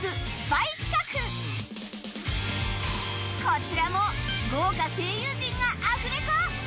こちらも豪華声優陣がアフレコ！